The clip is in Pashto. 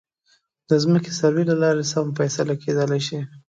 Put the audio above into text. د ځمکې سروې له لارې سمه فیصله کېدلی شي.